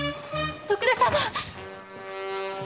徳田様！